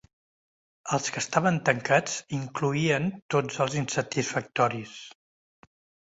Els que estaven tancats incloïen tots els insatisfactoris.